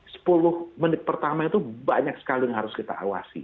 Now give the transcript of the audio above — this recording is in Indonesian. jadi sepuluh menit pertama itu banyak sekali yang harus kita awasi